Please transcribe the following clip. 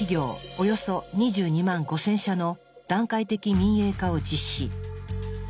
およそ２２万５０００社の段階的民営化を実施。